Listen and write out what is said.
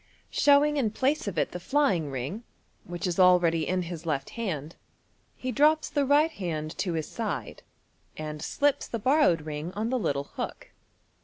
Showing in place of it the flying ring, which is already in his left hand, he drops the right hand to his side, and slips the bor rowed ring on the little hook.